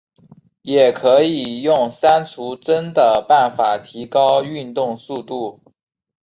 也可以用删除帧的办法提高运动速度。